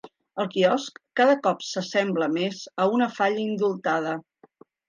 El quiosc cada cop s'assembla més a una falla indultada.